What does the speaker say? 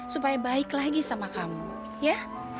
supaya baik lagi sama kamu ya